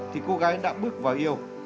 thì cô gái đã bước vào yêu